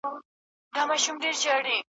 يو كيسه مي اورېدلې ده يارانو ,